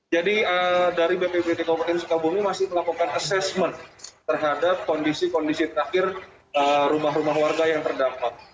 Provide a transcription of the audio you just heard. jadi dari bpbpt kabupaten sukabumi masih melakukan assessment terhadap kondisi kondisi terakhir rumah rumah warga yang terdampak